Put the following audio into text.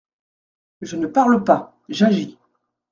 Je ne parle pas, j’agis.